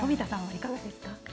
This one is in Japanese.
いかがですか。